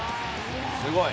すごい。